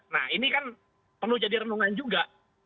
nah ini kan perlu jadi renungan juga